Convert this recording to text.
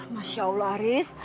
masya allah riz